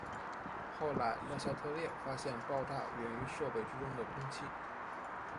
后来勒夏特列发现爆炸缘于设备之中的空气。